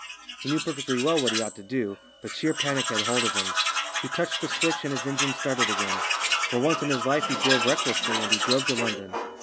He knew perfectly well what he ought to do, but sheer panic had hold of him. He touched the switch and his engines started again. For once in his life he drove recklessly, and he drove to London.